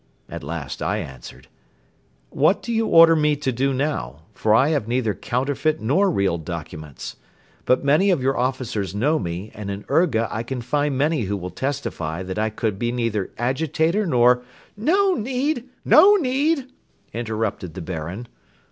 At last I answered: "What do you order me to do now, for I have neither counterfeit nor real documents? But many of your officers know me and in Urga I can find many who will testify that I could be neither agitator nor. .." "No need, no need!" interrupted the Baron.